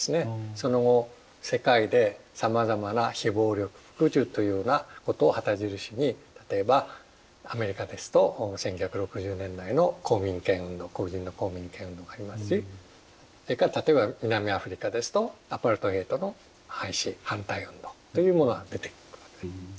その後世界でさまざまな非暴力・不服従というようなことを旗印に例えばアメリカですと１９６０年代の公民権運動黒人の公民権運動がありますしそれから例えば南アフリカですとアパルトヘイトの廃止反対運動というものが出てくるわけです。